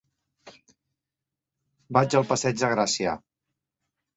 Vaig al passeig de Gràcia.